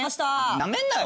なめんなよ？